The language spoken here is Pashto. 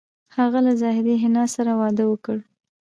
هغه له زاهدې حنا سره واده وکړ